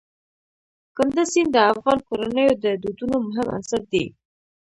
کندز سیند د افغان کورنیو د دودونو مهم عنصر دی.